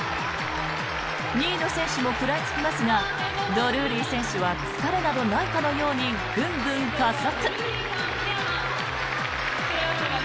２位の選手も食らいつきますがドルーリー選手は疲れなどないかのようにグングン加速。